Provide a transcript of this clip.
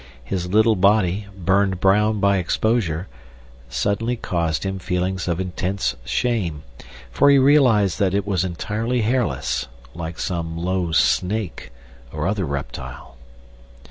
His little body, burned brown by exposure, suddenly caused him feelings of intense shame, for he realized that it was entirely hairless, like some low snake, or other reptile.